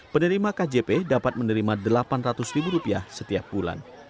penerima kjp dapat menerima rp delapan ratus ribu rupiah setiap bulan